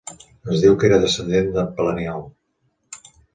Es diu que era descendent d'en Planiol.